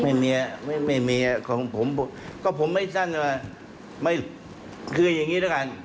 ไม่มีไม่มีของผมก็ผมไม่สั้นว่าไม่คืออย่างงี้นะคะ